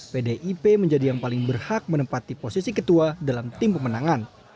pdip menjadi yang paling berhak menempati posisi ketua dalam tim pemenangan